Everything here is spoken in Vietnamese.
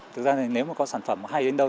thực ra nếu có sản phẩm hay đến đâu